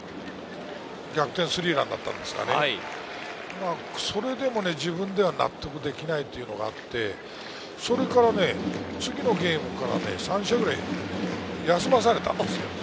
逆転スリーランだったんですけれど、それでも自分では納得できないというのがあって、それから次のゲームからね、３試合ぐらい休まされたんですよ。